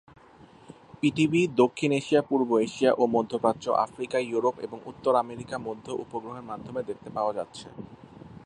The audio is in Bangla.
পিটিভি দক্ষিণ এশিয়া, পূর্ব এশিয়া ও মধ্যপ্রাচ্য, আফ্রিকা, ইউরোপ এবং উত্তর আমেরিকা মধ্যে উপগ্রহের মাধ্যমে দেখতে পাওয়া যাচ্ছে।